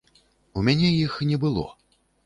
У мяне іх не было.